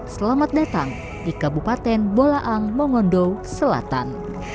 selamat datang di kabupaten bolaang mongondo selatan